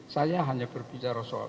saya hanya berbicara soal